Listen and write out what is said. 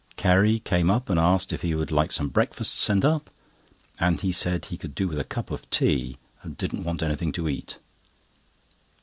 Carrie came up and asked if he would like some breakfast sent up, and he said he could do with a cup of tea, and didn't want anything to eat.